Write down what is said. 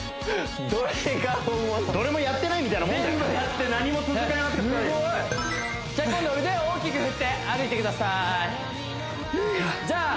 どれが本物どれもやってないみたいなもんだ全部やって何も続かなかったですじゃ今度腕を大きく振って歩いてくださいじゃあ